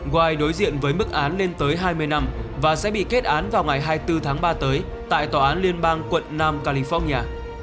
wi đối diện với mức án lên tới hai mươi năm và sẽ bị kết án vào ngày hai mươi bốn tháng ba tới tại tòa án liên bang quận nam california